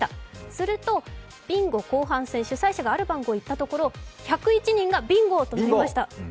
するとビンゴ後半戦、主催者がある番号を言ったところ１０１人がビンゴとなりました。